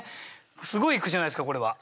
すごい句じゃないですかこれは。